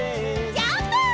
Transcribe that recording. ジャンプ！